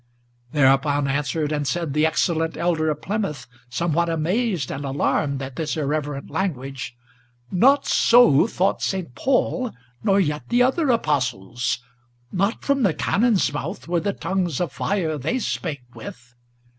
Thereupon answered and said the excellent Elder of Plymouth, Somewhat amazed and alarmed at this irreverent language: "Not so thought Saint Paul, nor yet the other Apostles; Not from the cannon's mouth were the tongues of fire they spake with!"